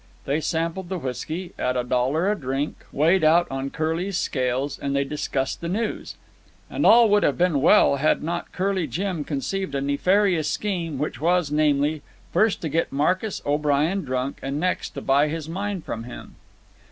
They sampled the whisky—at a dollar a drink, weighed out on Curly's scales; and they discussed the news. And all would have been well, had not Curly Jim conceived a nefarious scheme, which was, namely, first to get Marcus O'Brien drunk, and next, to buy his mine from him.